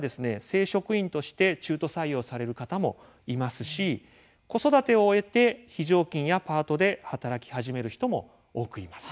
正職員として中途採用される方もいますし子育てを終えて非常勤やパートで働き始める人も多くいます。